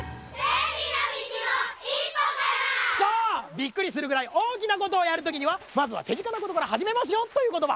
びっくりするぐらいおおきなことをやるときにはまずはてぢかなことからはじめますよということば。